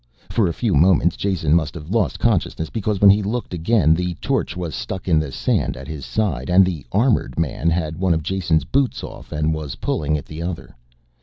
For a few moments Jason must have lost consciousness because when he looked again the torch was stuck in the sand at his side and the armored man had one of Jason's boots off and was pulling at the other.